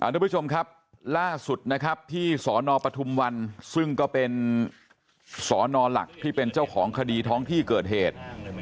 ทุกผู้ชมครับล่าสุดนะครับที่สนปทุมวันซึ่งก็เป็นสอนอหลักที่เป็นเจ้าของคดีท้องที่เกิดเหตุ